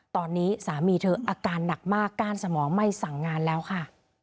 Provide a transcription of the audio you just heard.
ตอนนี้สามีเธออาการหนักมากก้านสมองไม่สั่งงานแล้วค่ะ